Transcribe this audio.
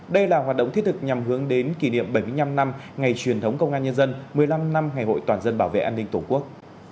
đây là hoạt động thiết thực nhằm hướng đến kỷ niệm bảy mươi năm năm ngày truyền thống công an nhân dân một mươi năm năm ngày hội toàn dân bảo vệ an ninh tổ quốc